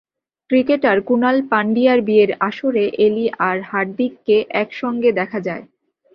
Cricketer Kunal পান্ডিয়ার বিয়ের আসরে এলি আর হার্দিককে একসঙ্গে দেখা যায়।